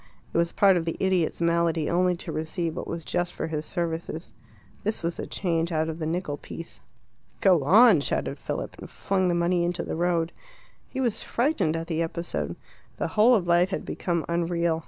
It was part of the idiot's malady only to receive what was just for his services. This was the change out of the nickel piece. "Go on!" shouted Philip, and flung the money into the road. He was frightened at the episode; the whole of life had become unreal.